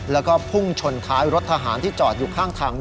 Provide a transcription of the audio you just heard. แล้วก็พุ่งชนท้ายรถทหารที่จอดอยู่ข้างทาง